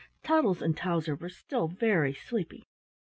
Toddles and Towser were still very sleepy.